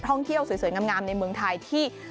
ท่องเที่ยวสวยงามในเมืองไทยที่